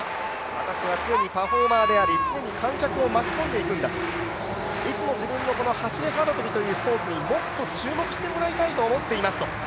私は常にパフォーマーであり、常に観客を巻き込んでいくんだいつも自分の走幅跳というスポーツにもっと注目してもらいたいと思っていますと。